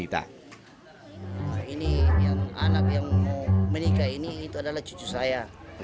ini anak yang mau menikah ini itu adalah cucu saya